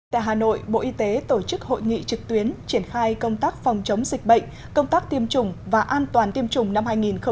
tại hà nội bộ y tế tổ chức hội nghị trực tuyến triển khai công tác phòng chống dịch bệnh công tác tiêm chủng và an toàn tiêm chủng năm hai nghìn hai mươi